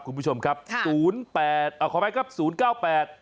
คุณผู้ชมครับค่ะศูนย์แปดอ่าขออภัยครับศูนย์เก้าแปด